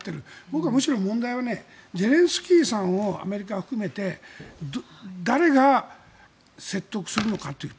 僕はむしろ問題はゼレンスキーさんをアメリカを含めて誰が説得するのかという。